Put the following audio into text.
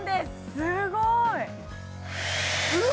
すごいうわ